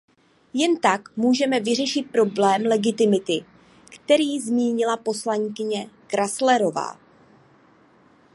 Jen tak můžeme vyřešit problém legitimity, který zmínila poslankyně Grässleová.